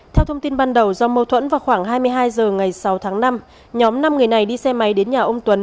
theo thông tin ban đầu do mâu thuẫn vào khoảng hai mươi hai h ngày sáu tháng năm nhóm năm người này đi xe máy đến nhà ông tuấn